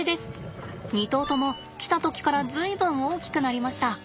２頭とも来た時から随分大きくなりました。